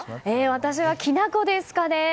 私は、きな粉ですかね。